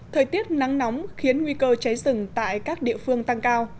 thời tiết nắng nóng khiến nguy cơ cháy rừng tại các địa phương tăng cao